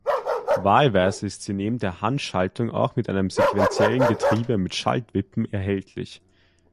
Wahlweise ist sie neben der Handschaltung auch mit einem sequentiellen Getriebe mit Schaltwippen erhältlich.